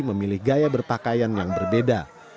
memilih gaya berpakaian yang berbeda